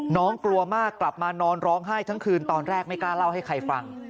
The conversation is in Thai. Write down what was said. กลัวมากกลับมานอนร้องไห้ทั้งคืนตอนแรกไม่กล้าเล่าให้ใครฟัง